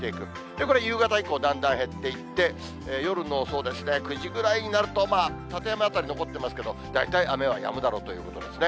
これ、夕方以降、だんだん減っていって、夜のそうですね、９時ぐらいになると、たてやま辺り残ってますけど、大体雨はやむだろうということですね。